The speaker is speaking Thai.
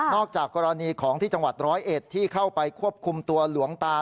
จากกรณีของที่จังหวัดร้อยเอ็ดที่เข้าไปควบคุมตัวหลวงตา